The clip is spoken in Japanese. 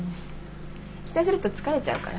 期待すると疲れちゃうからさ。